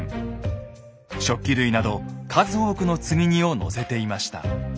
食器類など数多くの積み荷を載せていました。